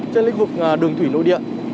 trên lĩnh vực đường thủy nội địa